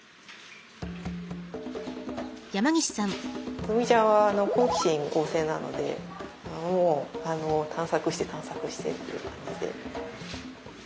つむぎちゃんは好奇心旺盛なので探索して探索してっていう感じで。